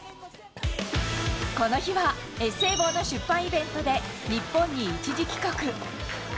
この日は、エッセー本の出版イベントで、日本に一時帰国。